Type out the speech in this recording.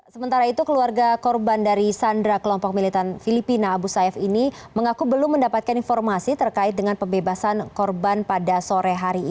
sementara itu keluarga korban dari sandra kelompok militan filipina abu sayyaf ini mengaku belum mendapatkan informasi terkait dengan pembebasan korban pada sore hari ini